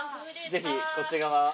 ぜひこっち側。